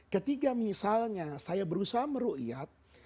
ketiga misalnya saya berusaha meru'iyat